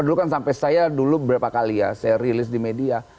dulu kan sampai saya dulu berapa kali ya saya rilis di media